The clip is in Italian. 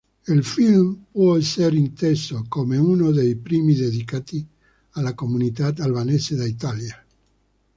Il film può esser inteso come uno dei primi dedicati alla comunità albanese d'Italia.